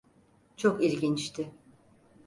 Çok ilginçti.